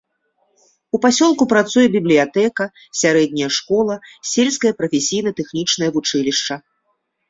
У пасёлку працуе бібліятэка, сярэдняя школа, сельскае прафесійна-тэхнічнае вучылішча.